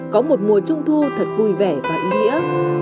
có một mùa trung thu thật vui vẻ và ý nghĩa